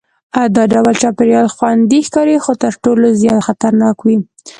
دا ډول چاپېریال خوندي ښکاري خو تر ټولو زیات خطرناک وي.